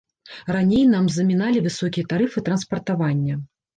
Раней нам заміналі высокія тарыфы транспартавання.